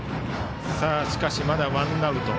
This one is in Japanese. しかし、まだワンアウト。